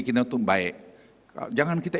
kita tuh baik jangan kita